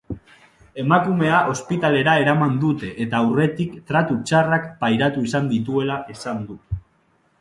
Emakumea ospitalera eraman dute eta aurretik tratu txarrak pairatu izan dituela esan du.